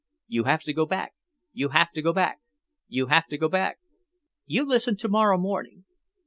You have to go back, You have to go back, You have to go back. You listen to morrow morning."